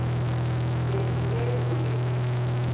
Be ing'eyo nyingegi?